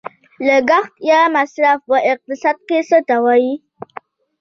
لګښت یا مصرف په اقتصاد کې څه ته وايي؟